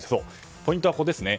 ポイントは、ここですね。